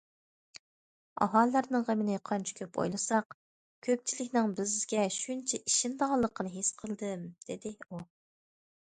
‹‹ ئاھالىلەرنىڭ غېمىنى قانچە كۆپ ئويلىساق، كۆپچىلىكنىڭ بىزگە شۇنچە ئىشىنىدىغانلىقىنى ھېس قىلدىم››، دېدى ئۇ.